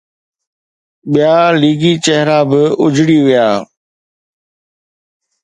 ٻيا ليگي چهرا به اجڙي ويا.